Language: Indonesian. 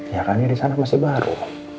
ya kan ini di sana masih baru